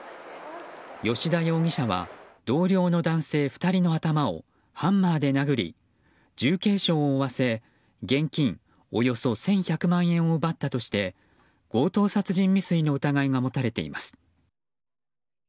葭田容疑者は同僚の男性２人の頭をハンマーで殴り重軽傷を負わせ現金およそ１１００万円を奪ったとして強盗殺人未遂の疑いが持たれています。